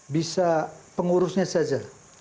bisa pengurusnya saja